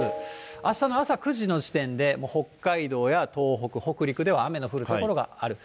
あしたの朝９時の時点で、北海道や東北、北陸では雨の降る所がある。